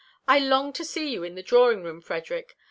I long to see you in the drawing room Frederick.